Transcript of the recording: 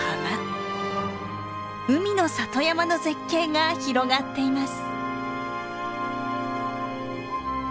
海の里山の絶景が広がっています。